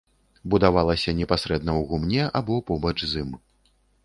Будавалася непасрэдна ў гумне або побач з ім.